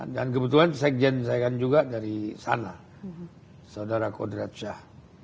dan kebetulan sekjen saya kan juga dari sana saudara khodrat shah